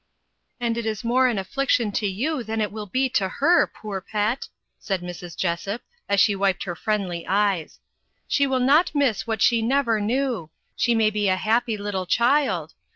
"And it is more an affliction to you than it will be to her, poor pet!" said Mrs. Jessop, as she wiped her friendly eyes. "She will not miss what she never knew. She may be a happy little child.